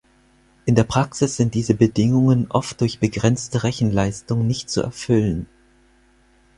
In der Praxis sind diese Bedingungen oft durch begrenzte Rechenleistung nicht zu erfüllen.